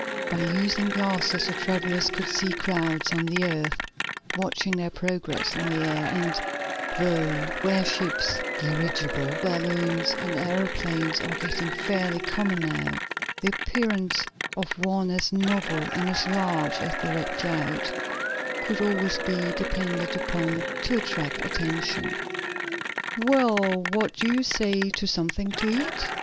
By using glasses the travelers could see crowds on the earth watching their progress in the air, and, though airships, dirigible balloons and aeroplanes are getting fairly common now, the appearance of one as novel and as large as the Red Cloud could always be depended upon to attract attention. "Well, what do you say to something to eat?"